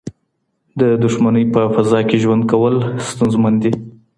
د دښمنۍ په فضا کي ژوند کول ستونزمن دي.